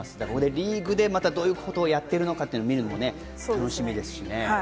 リーグでどういうことやっているのか見るのも楽しみですしね。